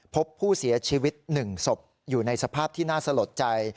พบผู้เสียชีวิต๑ศพอยู่ในสภาพที่น่าสลดใจ